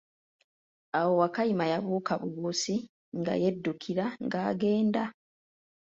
Awo Wakayima yabuuka bubuusi nga yedukira nga agenda.